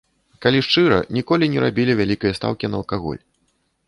Калі шчыра, ніколі не рабілі вялікай стаўкі на алкаголь.